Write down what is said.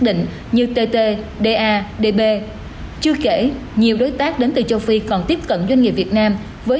định như tt dadb chưa kể nhiều đối tác đến từ châu phi còn tiếp cận doanh nghiệp việt nam với